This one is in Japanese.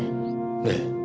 ええ。